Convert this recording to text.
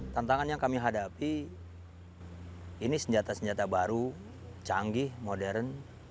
tantangan yang kami hadapi ini senjata senjata baru canggih modern